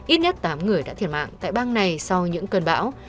ít nhất tám người đã thiệt mạng tại bang này sau những cơn bão